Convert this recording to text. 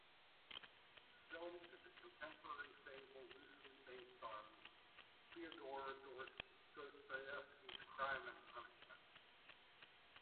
The film is a contemporary fable loosely based on Fyodor Dostoyevsky's "Crime and Punishment".